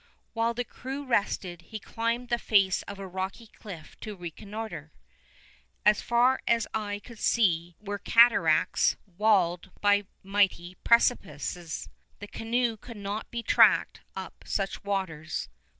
While the crew rested, he climbed the face of a rocky cliff to reconnoiter. As far as eye could see were cataracts walled by mighty precipices. The canoe could not be tracked up such waters.